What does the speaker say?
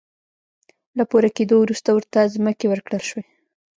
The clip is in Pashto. له پوره کېدو وروسته ورته ځمکې ورکړل شوې.